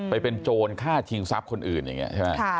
ไปเป็นโจรฆ่าทิ้งทรัพย์คนอื่นใช่ไหม